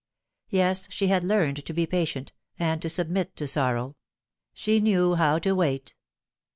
Yes, she had learnt to be patient, and to submit to sorrow. She knew how to wait.